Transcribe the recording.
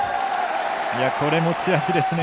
これ、持ち味ですね。